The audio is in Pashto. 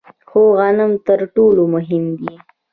خو غنم تر ټولو مهم دي.